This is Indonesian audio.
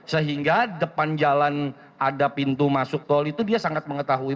sehingga depan jalan ada pintu masuk tol itu dia sangat mengetahui